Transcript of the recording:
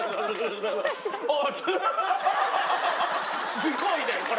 すごいねこれ！